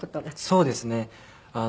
そうですね。